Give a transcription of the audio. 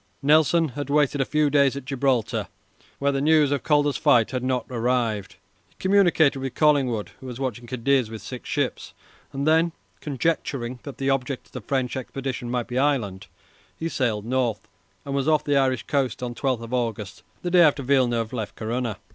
Nelson had waited a few days at Gibraltar, where the news of Calder's fight had not arrived. He communicated with Collingwood, who was watching Cadiz with six ships, and then, conjecturing that the object of the French expedition might be Ireland, he sailed north and was off the Irish coast on 12 August, the day after Villeneuve left Corunna.